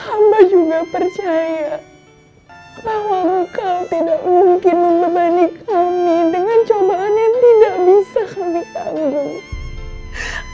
hamba juga percaya bahwa engkau tidak mungkin membebani kami dengan cobaan yang tidak bisa kami tanya